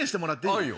いいよ。